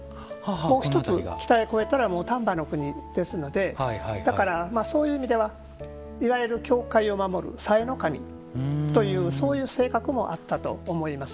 もう一つ北へ越えたら丹波国ですのでだからそういう意味ではいわゆる境界を守る塞ノ神というそういう性格もあったと思います。